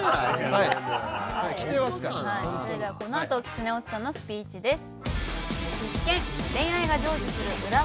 はいそれではこのあときつね大津さんのスピーチです。